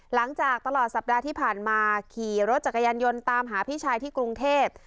หลังจากตลอดสัปดาห์ที่ผ่านมาขี่รถจักรยานยนต์ตามหาพี่ชายที่กรุงเทพ